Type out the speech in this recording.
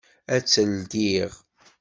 Ad tt-ldiɣ.